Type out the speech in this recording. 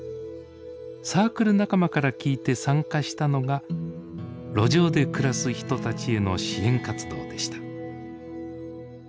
サークル仲間から聞いて参加したのが路上で暮らす人たちへの支援活動でした。